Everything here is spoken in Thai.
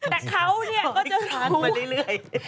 แต่เขาเนี่ยก็จะร้อนมาเรื่อย